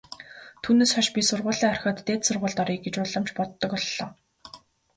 Түүнээс хойш би сургуулиа орхиод дээд сургуульд оръё гэж улам ч боддог боллоо.